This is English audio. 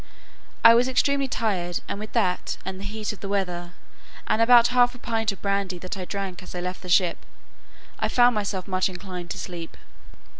I was extremely tired, and with that, and the heat of the weather, and about half a pint of brandy that I drank as I left the ship, I found myself much inclined to sleep.